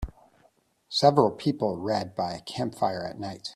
Several people read by a campfire at night